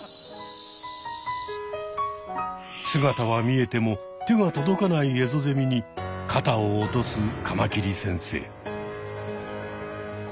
姿は見えても手が届かないエゾゼミにかたを落とすカマキリ先生。